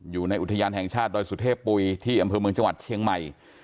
อยู่ในอุทยานแห่งชาติดอยสุเทพปุ๋ยที่อำเภอเมืองจังหวัดเชียงใหม่